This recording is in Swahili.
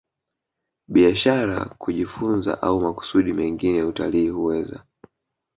biashara kujifunza au makusudi mengine Utalii huweza